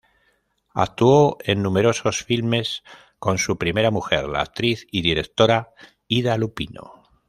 Actuó en numerosos filmes con su primera mujer, la actriz y directora Ida Lupino.